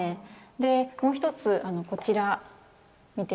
でもう一つこちら見て頂くと。